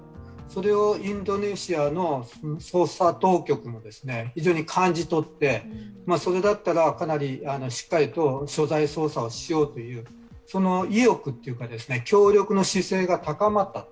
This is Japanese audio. それをインドネシアの捜査当局が非常に感じ取って、それだったらかなりしっかりと捜査をしようというその意欲というか、協力の姿勢が高まった。